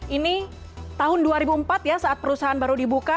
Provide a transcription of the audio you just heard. ini tahun dua ribu empat ya saat perusahaan baru dibuka